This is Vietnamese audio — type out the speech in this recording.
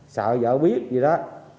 sợ vợ biết gì đó